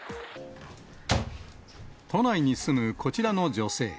都内に住むこちらの女性。